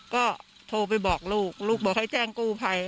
ก็โทรไปบอกลูกลูกบอกให้แจ้งกู้ภัย